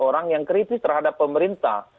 orang yang kritis terhadap pemerintah